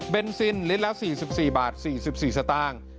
เป็นซินลิตรละ๔๔บาท๔๔สตางค์